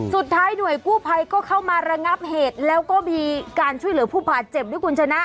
สุดท้ายหน่วยกู้ภัยก็เข้ามาระงับเหตุแล้วก็มีการช่วยเหลือผู้บาดเจ็บด้วยคุณชนะ